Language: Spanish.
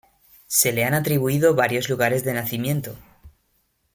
Se le han atribuido varios lugares de nacimiento.